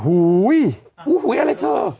อูหูวิโอโหย้อะไรเธอ